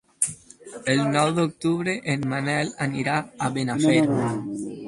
El nou d'octubre en Manel anirà a Benafer.